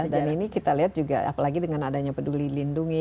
dan ini kita lihat juga apalagi dengan adanya peduli lindungi